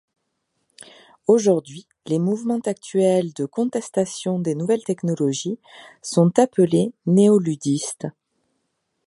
Aujourd'hui les mouvements actuels de contestation des nouvelles technologies sont appelés néo-luddistes.